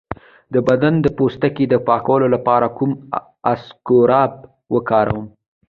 د بدن د پوستکي د پاکولو لپاره کوم اسکراب وکاروم؟